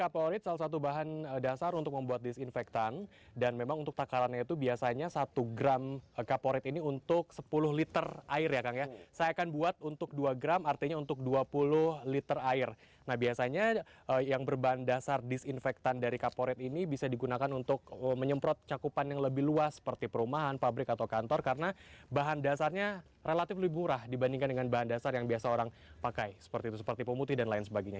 pengganti kaporit yang berbahan dasar disinfektan dari kaporit ini bisa digunakan untuk menyemprot cakupan yang lebih luas seperti perumahan pabrik atau kantor karena bahan dasarnya relatif lebih murah dibandingkan dengan bahan dasar yang biasa orang pakai seperti itu seperti pemutih dan lain sebagainya